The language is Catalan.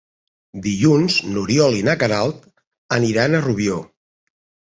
Dilluns n'Oriol i na Queralt aniran a Rubió.